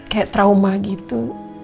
kayak trauma gitu